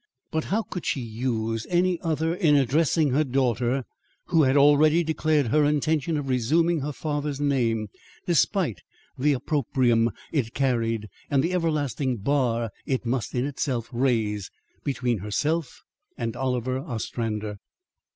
But how could she use any other in addressing her daughter who had already declared her intention of resuming her father's name, despite the opprobrium it carried and the everlasting bar it must in itself raise between herself and Oliver Ostrander?